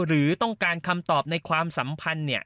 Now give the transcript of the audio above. หรือต้องการคำตอบในความสัมพันธ์